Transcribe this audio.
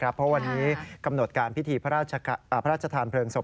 เพราะวันนี้กำหนดการพิธีพระราชทานเพลิงศพ